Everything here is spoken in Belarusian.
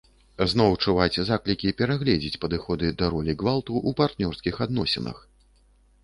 Зноў чуваць заклікі перагледзець падыходы да ролі гвалту ў партнёрскіх адносінах.